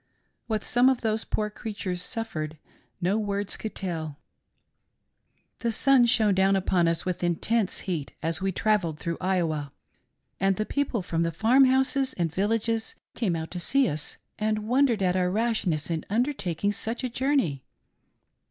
What some of those poor creatures suffered, no words could tell. "The sun shone down upon us with intense heat as we trav elled through Iowa, and the people from the farm houses and villages came out to see us and wondered at our rashness in undertaking such a journey.